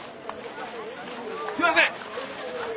すみません！